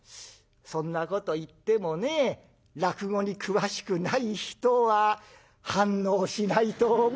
そんなこと言ってもね落語に詳しくない人は反応しないと思うよ」。